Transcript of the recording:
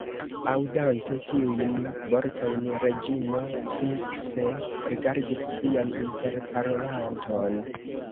Aŭdante tiujn vortojn, Reĝino fikse rigardis sian interparolanton.